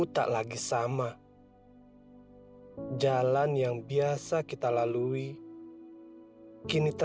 tapi aku sedang menguatkan hati